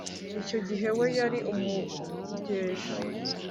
icyo gihe we yari umugeshi